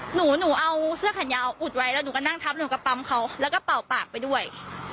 หนูหนูเอาเสื้อแขนยาวอุดไว้แล้วหนูก็นั่งทับหนูกับปั๊มเขาแล้วก็เป่าปากไปด้วย